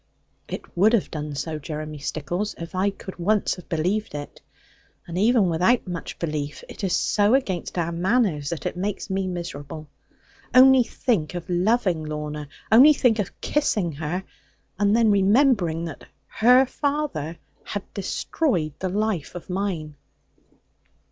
'It would have done so, Jeremy Stickles, if I could once have believed it. And even without much belief, it is so against our manners, that it makes me miserable. Only think of loving Lorna, only think of kissing her; and then remembering that her father had destroyed the life of mine!'